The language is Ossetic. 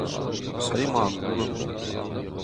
Цӕй-ма, курын дӕ!